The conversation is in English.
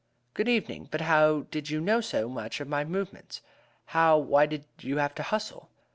"Good evening! But how did you know so much of my movements how, why, did you have to hustle?"